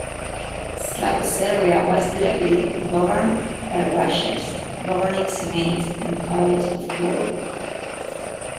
Slavo-Serbia was directly governed by Russia's Governing Senate and College of War.